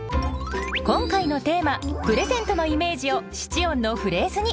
今回のテーマ「プレゼント」のイメージを七音のフレーズに。